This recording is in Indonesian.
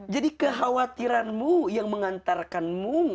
jadi kekhawatiranmu yang mengantarkanmu